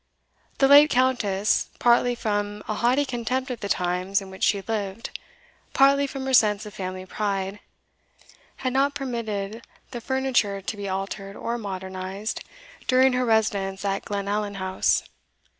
The late Countess, partly from a haughty contempt of the times in which she lived, partly from her sense of family pride, had not permitted the furniture to be altered or modernized during her residence at Glenallan House.